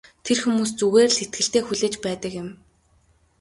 Тэр хүмүүс зүгээр л итгэлтэй хүлээж байдаг юм.